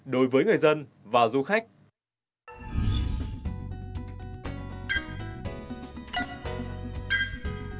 đối với người dân và du khách